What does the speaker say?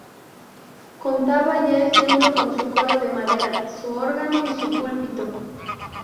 Contaba ya el templo con su coro de madera, su órgano y su púlpito.